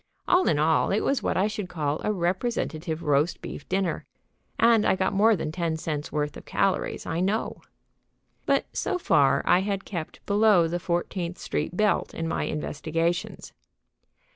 All in all, it was what I should call a representative roast beef dinner. And I got more than ten cents' worth of calories, I know. But so far I had kept below the Fourteenth Street belt in my investigations.